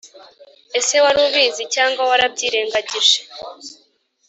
Ese wari ubizi cyangwa warabyirengangije